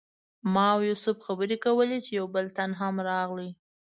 ما او یوسف خبرې کولې چې یو بل تن هم راغی.